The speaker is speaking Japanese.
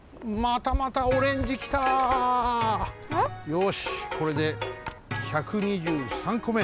よしこれで１２３こめ。